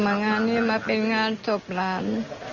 พอมางานนี้มาเป็นงานสบหลาน